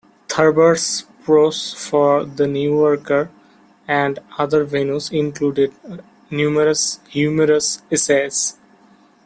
Thurber's prose for "The New Yorker" and other venues included numerous humorous essays.